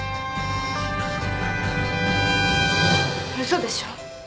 嘘でしょ？